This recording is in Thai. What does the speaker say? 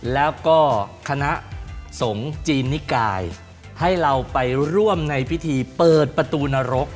แล้วก็คณะสงฆ์จีนนิกายให้เราไปร่วมในพิธีเปิดประตูนรก